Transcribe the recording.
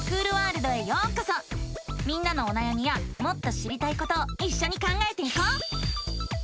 みんなのおなやみやもっと知りたいことをいっしょに考えていこう！